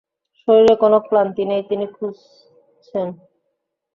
শরীরে কোনো ক্লান্তি নেই, তিনি খুঁজছেন।